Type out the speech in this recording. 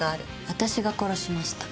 私が殺しました。